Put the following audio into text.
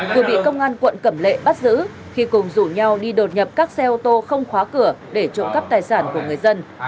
vừa bị công an quận cẩm lệ bắt giữ khi cùng rủ nhau đi đột nhập các xe ô tô không khóa cửa để trộm cắp tài sản của người dân